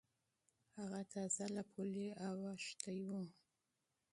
هغه تازه له پولې اوختی و.